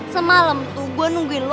semalam tuh gua nungguin lu